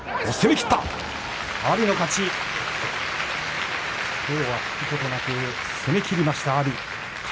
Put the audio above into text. きょうは引くことなく攻めきりました、阿炎。